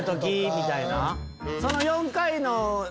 みたいな。